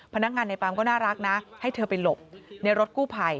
พนักงานในปั๊มก็น่ารักนะให้เธอไปหลบในรถกู้ภัย